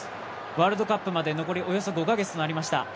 ワールドカップまで残りおよそ５カ月となりました。